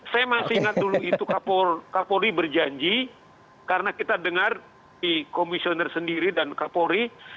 saya masih ingat dulu itu kapolri berjanji karena kita dengar di komisioner sendiri dan kapolri